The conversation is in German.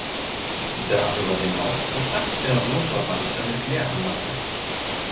Darüber hinaus betreibt der Ruhrverband eine Kläranlage.